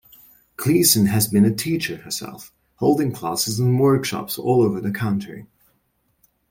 Gleason has been a teacher herself, holding classes and workshops all over the country.